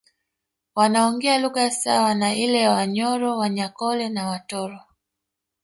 Wanaongea lugha sawa na ile ya Wanyoro Wanyankole na Watoro